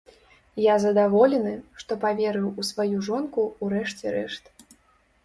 Я задаволены, што паверыў у сваю жонку, у рэшце рэшт.